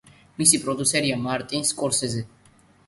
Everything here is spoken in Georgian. მისი პროდიუსერია მარტინ სკორსეზე.